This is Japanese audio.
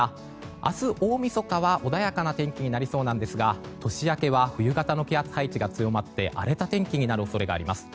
明日、大みそかは穏やかな天気になりそうなんですが年明けは冬型の気圧配置が強まって荒れた天気になる恐れがあります。